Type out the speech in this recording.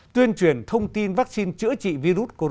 tuyên truyền thông tin vaccine chữa trị virus corona